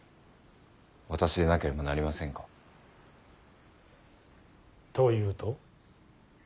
私でなければなりませんか。というと。